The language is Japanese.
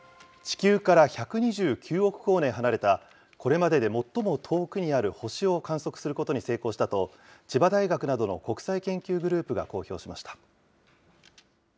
地球から１２９億光年離れた、これまでで最も遠くにある星を観測することに成功したと、千葉大学などの国際研究グループが公表しました。